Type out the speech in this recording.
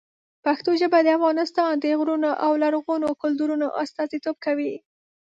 پښتو ژبه د افغانستان د غرونو او لرغونو کلتورونو استازیتوب کوي.